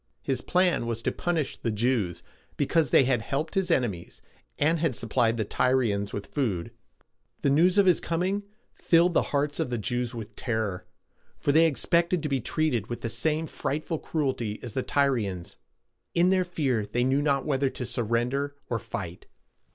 His plan was to punish the Jews, because they had helped his enemies, and had supplied the Tyrians with food. The news of his coming filled the hearts of the Jews with terror, for they expected to be treated with the same frightful cruelty as the Tyrians. In their fear they knew not whether to surrender or fight.